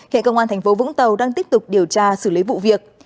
hệ công an tp vũng tàu đang tiếp tục điều tra xử lý vụ việc